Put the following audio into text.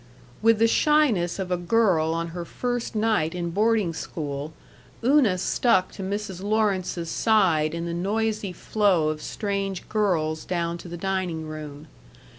With the shyness of a girl on her first night in boarding school, Una stuck to Mrs. Lawrence's side in the noisy flow of strange girls down to the dining room.